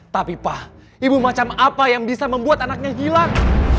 tapi pak ibu macam apa yang bisa membuat anaknya hilang